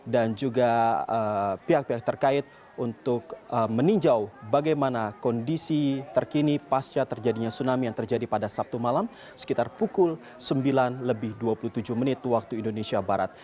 dan juga pihak pihak terkait untuk meninjau bagaimana kondisi terkini pasca terjadinya tsunami yang terjadi pada sabtu malam sekitar pukul sembilan lebih dua puluh tujuh menit waktu indonesia barat